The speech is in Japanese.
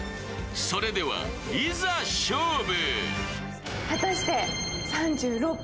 それではいざ勝負！